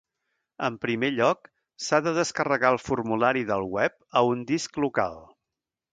En primer lloc, s'ha de descarregar el formulari del web a un disc local.